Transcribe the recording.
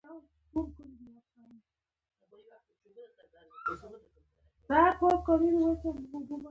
بلکې دا پوهه ورو ورو د هغه زړه ته ورغله.